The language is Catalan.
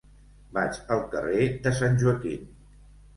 Vaig al carrer de Sant Joaquim.